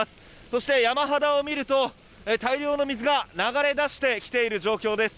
そして、山肌を見ると大量の水が流れ出してきている状況です。